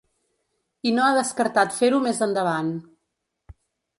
I no ha descartat fer-ho més endavant.